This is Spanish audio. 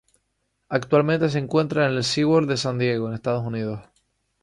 Actualmente se encuentra en el Sea World de San Diego, en los Estados Unidos.